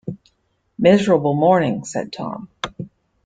“Miserable morning,” said Tom.